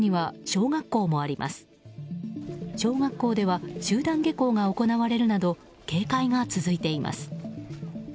小学校では集団下校が行われるなど警戒が続いています。